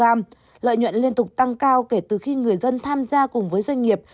năm nay lợi nhuận liên tục tăng cao kể từ khi người dân tham gia cùng với doanh nghiệp